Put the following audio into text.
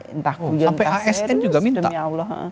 oh sampai asn juga minta